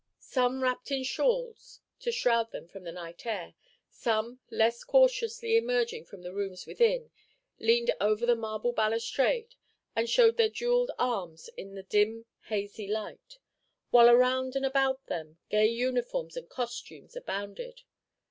Some wrapped in shawls to shroud them from the night air, some, less cautiously emerging from the rooms within, leaned over the marble balustrade and showed their jewelled arms in the dim hazy light, while around and about them gay uniforms and costumes abounded.